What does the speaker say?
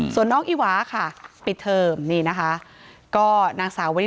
ทั้งครูก็มีค่าแรงรวมกันเดือนละประมาณ๗๐๐๐กว่าบาท